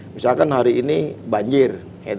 misalkan hari ini banjir